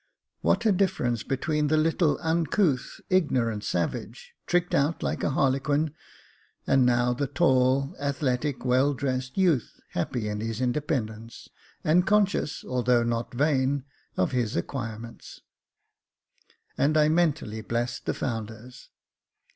What a difference between the little uncouth, ignorant, savage, tricked out like a harlequin, and now the tall, athletic, well dressed youth, happy in his independence, and conscious, although not vain, of his acquirements ! and I mentally blessed the founders.